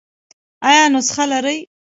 ایا نسخه لرئ؟